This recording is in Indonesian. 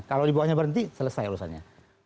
kalau di bawahnya berhenti selesai urusannya